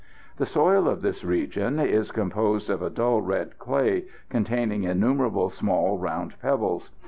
The soil of this region is composed of a dull red clay, containing innumerable small round pebbles.